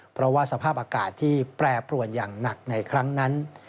เพราะว่าสภาพอากาศที่แปรปรวนอย่างหนักในครั้งนั้น